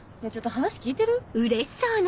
ちょっと話聞いてる？